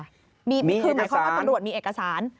คือหมายความว่าตำรวจมีเอกสาร